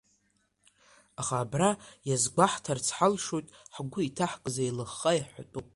Аха абра иазгәаҳҭарц ҳалшоит, ҳгәы иҭаҳкыз еилыхха иҳәатәуп…